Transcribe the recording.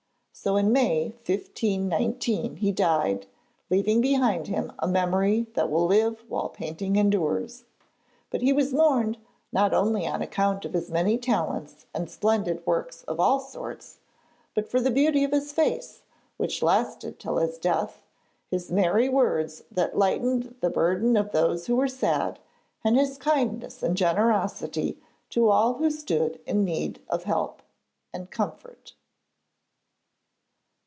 So in May 1519 he died, leaving behind him a memory that will live while painting endures. But he was mourned, not only on account of his many talents and splendid works of all sorts, but for the beauty of his face, which lasted till his death, his merry words that lightened the burden of those who were sad, and his kindness and generosity to all who stood in need of help and comfort.